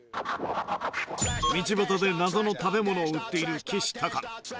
道端で謎の食べ物を売っているきしたかの。